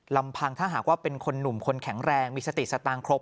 ลำพังถ้าหากว่าเป็นคนหนุ่มคนแข็งแรงมีสติสตางครก